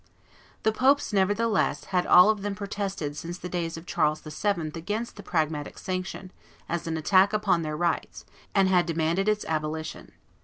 The popes, nevertheless, had all of them protested since the days of Charles VII. against the Pragmatic Sanction as an attack upon their rights, and had demanded its abolition.